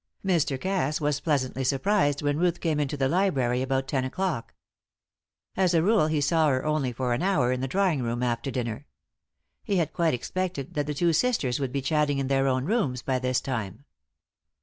Mr. Cass was pleasantly surprised when Ruth came into the library about ten o'clock. As a rule he saw her only for an hour in the drawing room after dinner. He had quite expected that the two sisters would be chatting in their own rooms by this time.